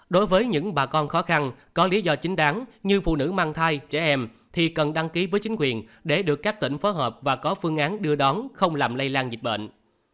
đối với những bà con khó khăn có lý do chính đáng như phụ nữ mang thai trẻ em thì cần đăng ký với chính quyền để được các tỉnh phối hợp và có phương án đưa đón không làm lây lan dịch bệnh